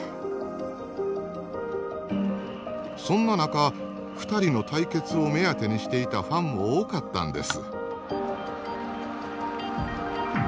そんな中２人の対決を目当てにしていたファンも多かったんです。